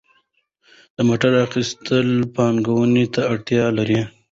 د موټر اخیستل پانګونې ته اړتیا لري.